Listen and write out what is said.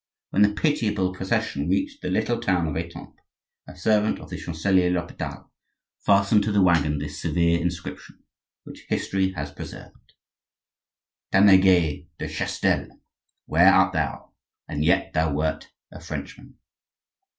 When the pitiable procession reached the little town of Etampes, a servant of the Chancelier l'Hopital fastened to the waggon this severe inscription, which history has preserved: "Tanneguy de Chastel, where art thou? and yet thou wert a Frenchman!"